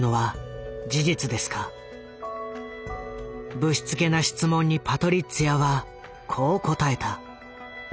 ぶしつけな質問にパトリッツィアはこう答えた。